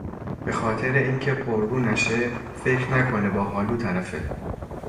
به خاطر اینکه پررو نشه، فکر نکنه با هالو طرفه